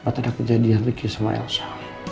apa tahu ada kejadian riki sama elsa